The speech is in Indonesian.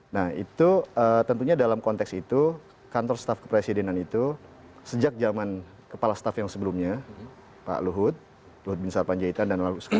nah itu tentunya dalam konteks itu kantor staf kepresidenan itu sejak zaman kepala staff yang sebelumnya pak luhut luhut bin sarpanjaitan dan lalu sekarang